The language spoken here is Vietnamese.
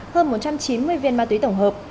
hơn một trăm chín mươi viên ma túy tổng hợp